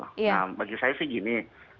nah bagi saya sih gini